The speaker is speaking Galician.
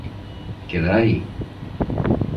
Queda aí.